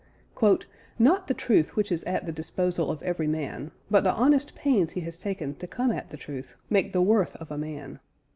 "Not the truth which is at the disposal of every man, but the honest pains he has taken to come at the truth make the worth of a man.